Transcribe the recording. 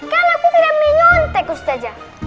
kan aku tidak menyontek ustazah